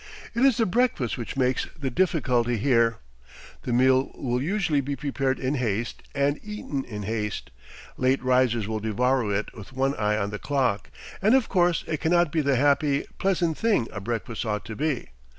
It is the breakfast which makes the difficulty here. The meal will usually be prepared in haste and eaten in haste; late risers will devour it with one eye on the clock; and of course it cannot be the happy, pleasant thing a breakfast ought to be.